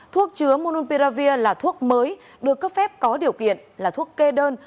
thuốc chứa monunpearavir là thuốc mới được cấp phép có điều kiện là thuốc kê đơn